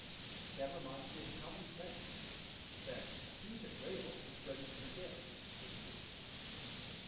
"That reminds me of the common saying, that 'he that rails is ready to forgive,'" said the duke.